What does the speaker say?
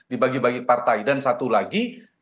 di bagi bagi partai dan satu lagi